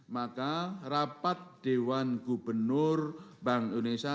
maka rapat dewan gubernur bank indonesia